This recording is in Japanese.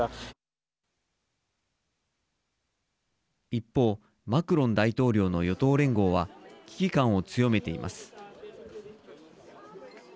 一方マクロン大統領の与党連合は危機感を強めています。